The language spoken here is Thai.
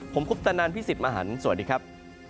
ผมคุปตะนันพี่สิทธิ์มหันฯสวัสดีครับ